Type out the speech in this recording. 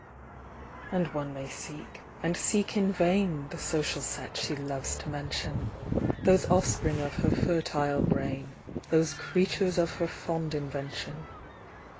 And one may seek, and seek in vain. The social set she loves to mention, Those offspring of her fertile brain, Those creatures of her fond invention.